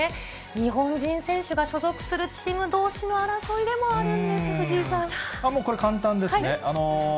日本人選手が所属するチームどうしの争いでもあるんです、藤井さもうこれ、簡単ですね。